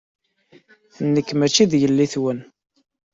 Nekk maci d yelli-twen.